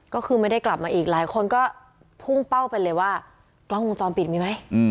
ก็คือไม่ได้กลับมาอีกหลายคนก็พุ่งเป้าไปเลยว่ากล้องวงจรปิดมีไหม